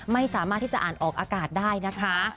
ไม่สามารถที่จะอ่านออกอากาศได้นะคะ